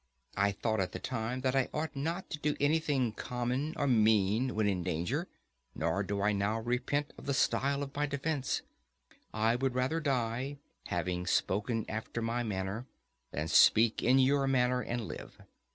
I thought at the time that I ought not to do anything common or mean when in danger: nor do I now repent of the style of my defence; I would rather die having spoken after my manner, than speak in your manner and live.